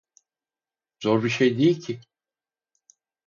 Zor bir şey değil ki.